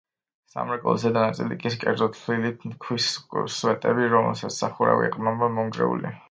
სამრეკლოს ზედა ნაწილი კი, კერძოდ, თლილი ქვის სვეტები, რომლებსაც სახურავი ეყრდნობოდა, მონგრეულია.